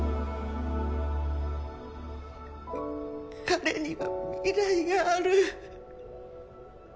彼には未来がある。